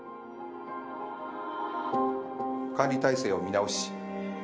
「管理体制を見直し」。